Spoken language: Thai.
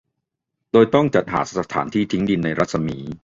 โดยต้องจัดหาสถานที่ทิ้งดินในรัศมี